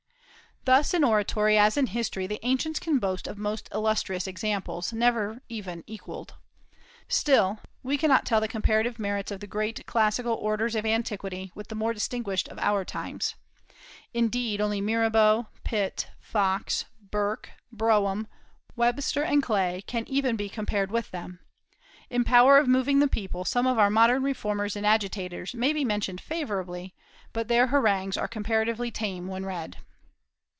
Thus in oratory as in history the ancients can boast of most illustrious examples, never even equalled. Still, we cannot tell the comparative merits of the great classical orators of antiquity with the more distinguished of our times; indeed only Mirabeau, Pitt, Fox, Burke, Brougham, Webster, and Clay can even be compared with them. In power of moving the people, some of our modern reformers and agitators may be mentioned favorably; but their harangues are comparatively tame when read.